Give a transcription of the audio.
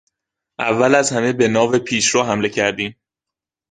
اول از همه به ناو پیشرو حمله کردیم.